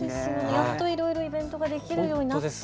やっといろいろイベントができるようになったのに。